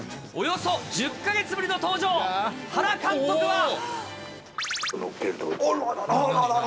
およそ１０か月ぶりの登場、原監督は。